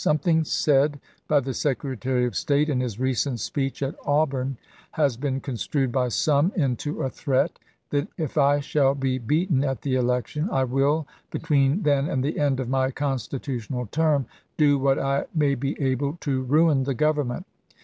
Something said by the Secretary of State, in his recent speech at Auburn, has been construed by some into a threat that if I shall be beaten at the election I will, between then and the end of my constitutional term, do what I may be able to ruin the Government.